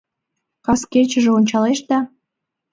Кас кечыже ончалеш да